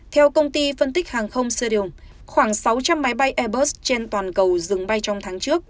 theo công ty phân tích hàng không seriesum khoảng sáu trăm linh máy bay airbus trên toàn cầu dừng bay trong tháng trước